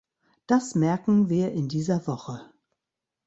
Das merken wir in dieser Woche.